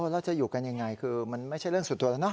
แล้วจะอยู่กันยังไงคือมันไม่ใช่เรื่องส่วนตัวแล้วเนอ